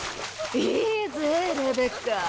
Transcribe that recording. ・いいぜレベッカ